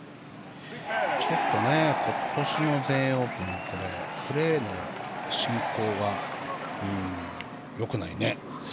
ちょっと今年の全英オープンプレーの進行がよくないね。